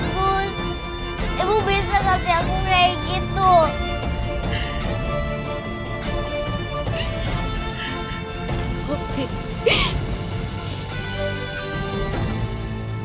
tapi aku nggak bisa berikan kamu kemewahan